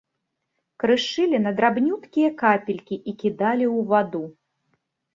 Крышылі на драбнюткія капелькі і кідалі ў ваду.